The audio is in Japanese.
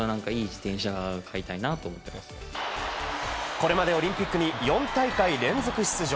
これまでオリンピックに４大会連続出場。